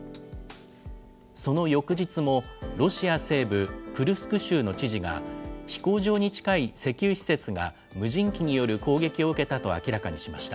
その翌日も、ロシア西部クルスク州の知事が、飛行場に近い石油施設が無人機による攻撃を受けたと明らかにしました。